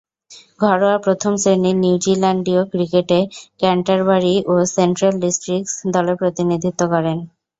ঘরোয়া প্রথম-শ্রেণীর নিউজিল্যান্ডীয় ক্রিকেটে ক্যান্টারবারি ও সেন্ট্রাল ডিস্ট্রিক্টস দলের প্রতিনিধিত্ব করেন।